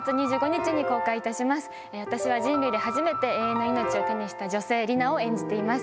私は人類で初めて永遠の命を手にした女性リナを演じています。